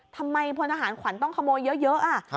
ทำไมพนธหารขวัญต้องขโมยเยอะอ่ะ